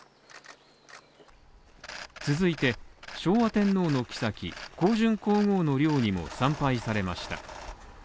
続いて、昭和天皇の后・香淳皇后の陵にも参拝されました。